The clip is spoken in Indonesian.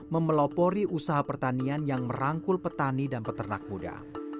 memelopori usaha pertanian yang merangkul petani dan peternak muda